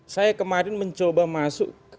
saya kemarin mencoba masuk